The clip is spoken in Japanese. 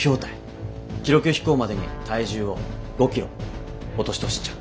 記録飛行までに体重を５キロ落としてほしいっちゃ。